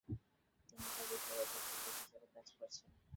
তিনি তার ব্যক্তিগত সচিব হিসেবে কাজ করেছেন।